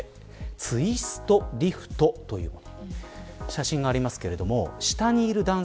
ツイストリフトというもの。